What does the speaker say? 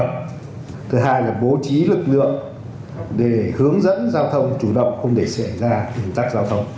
thứ hai là bố trí lực lượng để hướng dẫn giao thông chủ động không để xảy ra ủn tắc giao thông